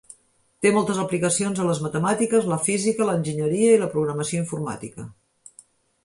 Té moltes aplicacions a les matemàtiques, la física, l'enginyeria i la programació informàtica.